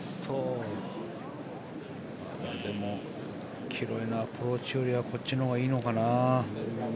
マキロイのアプローチよりこっちのほうがいいかな。